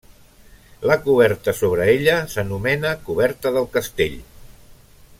La coberta sobre ella s'anomena coberta del castell.